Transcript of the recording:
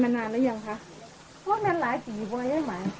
มาบันติด